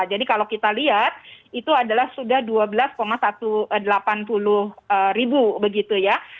jadi kalau kita lihat itu adalah sudah dua belas satu ratus delapan puluh ribu begitu ya